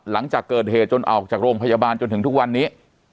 หลังจากเกิดเหตุจนออกจากโรงพยาบาลจนถึงทุกวันนี้